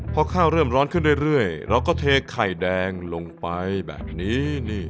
พอข้าวเริ่มร้อนขึ้นเรื่อยเราก็เทไข่แดงลงไปแบบนี้